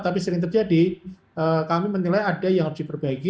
tapi sering terjadi kami menilai ada yang harus diperbaiki